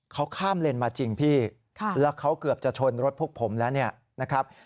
เขาข้ามเลนมาจริงพี่แล้วเขาเกือบจะชนรถพวกผมแล้วเนี่ยนะครับ